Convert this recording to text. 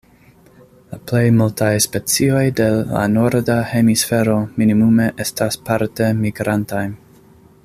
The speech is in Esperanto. La plej multaj specioj de la Norda Hemisfero minimume estas parte migrantaj.